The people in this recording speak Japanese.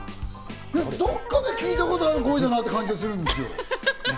どっかで聞いたことある声だなって感じはするんだけど。